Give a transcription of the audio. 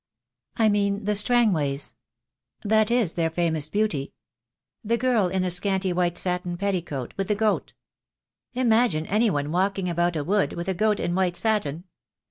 "I mean the Strangways. That is their famous beauty — the girl in the scanty white satin petticoat, with the goat. Imagine any one walking about a wood, with a goat, in white satin.